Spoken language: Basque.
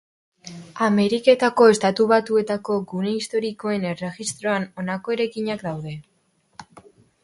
Ameriketako Estatu Batuetako Gune Historikoen Erregistroan honako eraikinak daude.